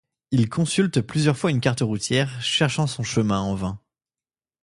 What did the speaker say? Il consulte plusieurs fois une carte routière, cherchant son chemin en vain.